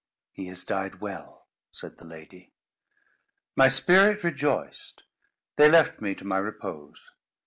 "He has died well," said the lady. My spirit rejoiced. They left me to my repose.